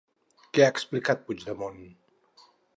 Què ha explicat Puigdemont?